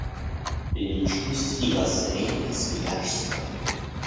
Личность и воззрения Свияжского.